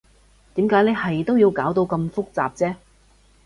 點解你係都要搞到咁複雜啫？